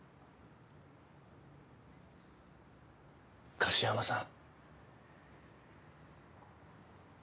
樫山さん。